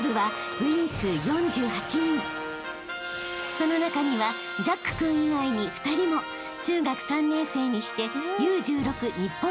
［その中にはジャック君以外に２人も中学３年生にして］